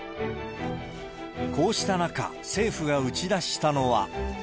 こうした中、政府が打ち出したのは。